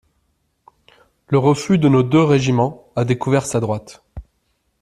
Le refus de nos deux régiments a découvert sa droite.